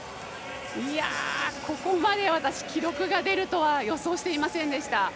ここまで私記録が出るとは予想していませんでした。